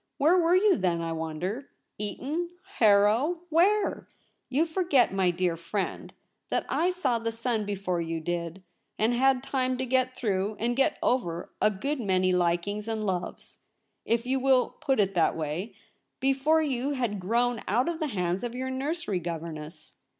Where were you then, I wonder ? Eton, Harrow, where ? You for get, my dear friend, that I saw the sun before you did, and had time to get through and get over a good many likings and loves — if you will put it that way — before you had grown out of the hands of your nursery governess.